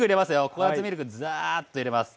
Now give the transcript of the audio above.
ココナツミルクザーッと入れます。